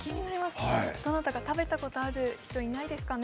どなたか、食べたことのある人、いないですかね？